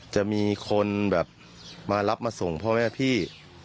จะมีคนแบบมารับมาส่งพ่อแม่พี่